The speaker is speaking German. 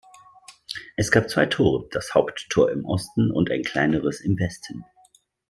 Es gab zwei Tore, das Haupttor im Osten und ein kleineres im Westen.